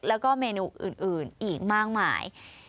แล้วก็เมนูอื่นอีกมากมาย